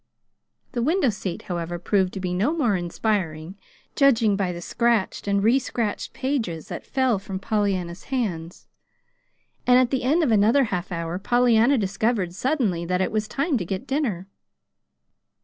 The window seat, however, proved to be no more inspiring, judging by the scratched and re scratched pages that fell from Pollyanna's hands; and at the end of another half hour Pollyanna discovered suddenly that it was time to get dinner.